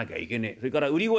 それから売り声。